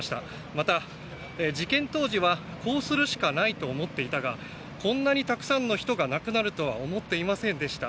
また、事件当時はこうするしかないと思っていたがこんなにたくさんの人が亡くなるとは思っていませんでした